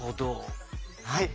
はい。